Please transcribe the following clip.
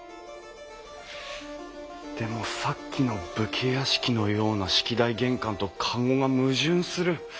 でもさっきの武家屋敷のような式台玄関と籠が矛盾する。